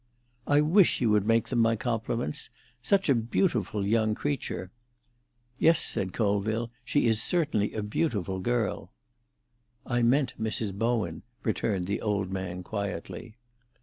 "I wish you would make them my compliments. Such a beautiful young creature." "Yes," said Colville; "she is certainly a beautiful girl." "I meant Mrs. Bowen," returned the old man quietly.